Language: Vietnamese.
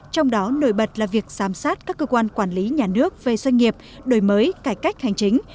trong đó nổi bật là việc giám sát các cơ quan quản lý nhà nước về doanh nghiệp đổi mới cải cách hành chính